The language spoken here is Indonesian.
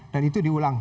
dan itu diulang